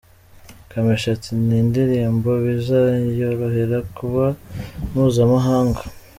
Kamichi ati :« Ni indirimbo bizayorohera kuba mpuzamahanga.